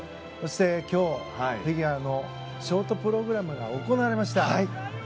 そして今日、フィギュアのショートプログラムが行われました。